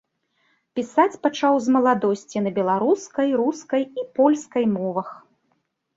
Пісаць пачаў з маладосці, на беларускай, рускай і польскай мовах.